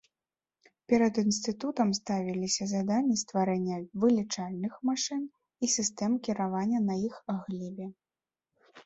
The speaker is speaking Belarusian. Перад інстытутам ставіліся заданні стварэння вылічальных машын і сістэм кіравання на іх глебе.